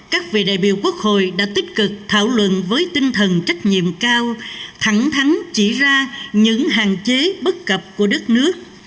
các vị đại biểu quốc hội đã tích cực thảo luận với tinh thần trách nhiệm cao thẳng thắn chỉ ra những hạn chế bất cập của đất nước